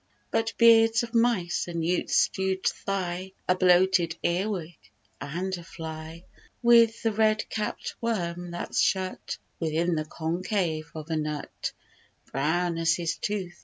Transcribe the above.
But beards of mice, a newt's stew'd thigh, A bloated earwig, and a fly; With the red capt worm, that's shut Within the concave of a nut, Brown as his tooth.